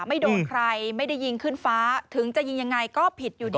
ไม่โดนใครไม่ได้ยิงขึ้นฟ้าถึงจะยิงยังไงก็ผิดอยู่ดี